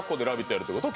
やるってこと？